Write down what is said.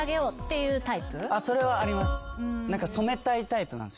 それはあります。